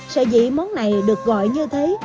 sở dĩ món này được gọi như thế